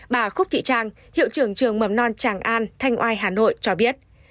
bà khúc thị trang hiệu trưởng trường mầm non tràng an thanh oai hà nội cho biết